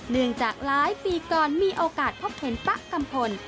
เนื่องจากหลายปีก่อนมีโอกาสพบเห็นป๊ะกัมพล